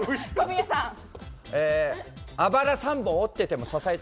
アバラ３本折ってても支えて